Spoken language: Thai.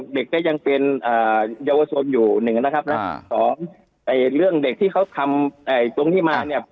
ผมก็เลยต้องเรียนตรงนี้